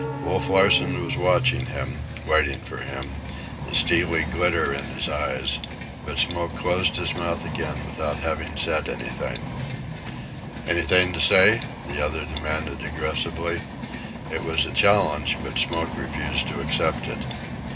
Wolf Larsen was watching him, waiting for him, the steely glitter in his eyes; but Smoke closed his mouth again without having said anything. "Anything to say?" the other demanded aggressively. It was a challenge, but Smoke refused to accept it.